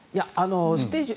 ステージ